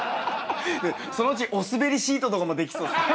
そのうちおスベりシートとかもできそうですね。